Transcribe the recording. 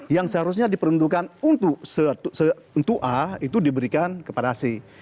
yang seharusnya diperuntukkan untuk a itu diberikan kepada c